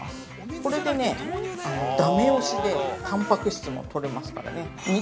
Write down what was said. これで、だめ押しで、たんぱく質も取れますからね。